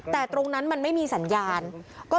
เพื่อนบ้านเจ้าหน้าที่อำรวจกู้ภัย